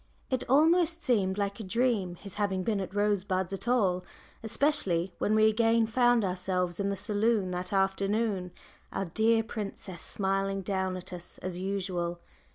It almost seemed like a dream his having been at Rosebuds at all, especially when we again found ourselves in the saloon that afternoon, our dear princess smiling down at us as usual.